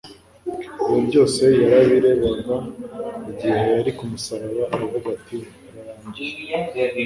Ibyo byose yarabirebaga igihe yari ku musaraba aravuga ati : «Birarangiye!»